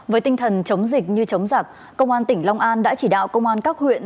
với tinh thần chống dịch như chống giặc công an tỉnh long an đã chỉ đạo công an các huyện